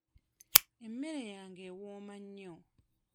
Emmere yange ewooma nnyo.